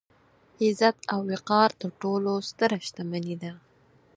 عزت او وقار تر ټولو ستره شتمني ده.